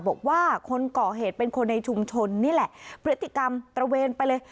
บอกว่าคนก่อเหตุเป็นคนในชุมชนนี่แหละพฤติกรรมตระเวนไปเลย